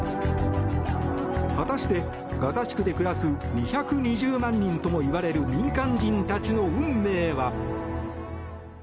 果たして、ガザ地区で暮らす２２０万人ともいわれる民間人たちの運命は。